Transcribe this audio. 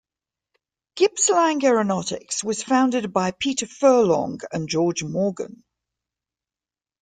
Gippsland Aeronautics was founded by Peter Furlong and George Morgan.